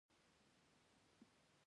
په افغانستان کې سمندر نه شتون شتون لري.